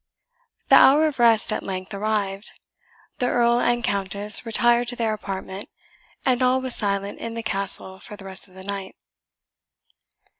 The hour of rest at length arrived, the Earl and Countess retired to their apartment, and all was silent in the castle for the rest of the night.